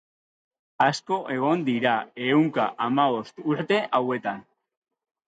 Asko egon dira, ehunka, hamabost urte hauetan.